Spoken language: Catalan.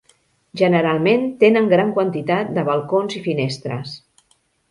Generalment tenen gran quantitat de balcons i finestres.